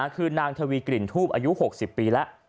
คือนางทวีกลิ่นทูบอายุ๖๐ปีแล้ว